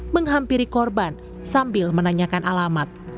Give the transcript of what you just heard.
menghampiri korban sambil menanyakan alamat